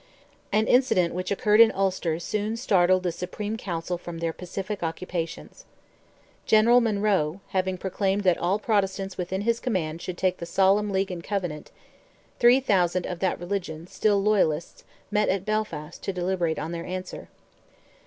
An incident which occurred in Ulster, soon startled the Supreme Council from their pacific occupations. General Monroe, having proclaimed that all Protestants within his command should take "the solemn league and covenant," three thousand of that religion, still loyalists, met at Belfast, to deliberate on their answer.